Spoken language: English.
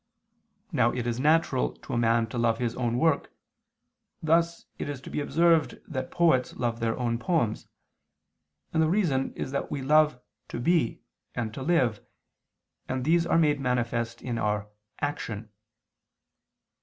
Now it is natural to a man to love his own work (thus it is to be observed that poets love their own poems): and the reason is that we love to be and to live, and these are made manifest in our _action.